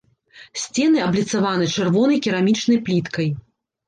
Сцены абліцаваны чырвонай керамічнай пліткай.